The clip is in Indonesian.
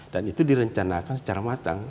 itu direncanakan secara matang